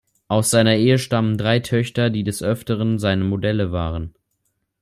Aus seiner Ehe stammen drei Töchter, die des Öfteren seine Modelle waren.